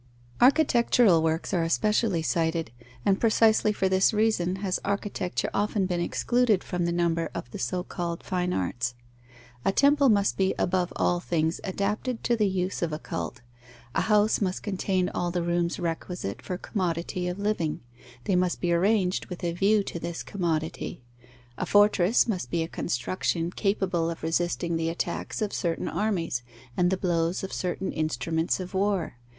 Architectural works are especially cited; and precisely for this reason, has architecture often been excluded from the number of the so called fine arts. A temple must be above all things adapted to the use of a cult; a house must contain all the rooms requisite for commodity of living, and they must be arranged with a view to this commodity; a fortress must be a construction capable of resisting the attacks of certain armies and the blows of certain instruments of war.